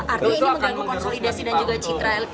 artinya ini mengganggu konsolidasi dan juga cita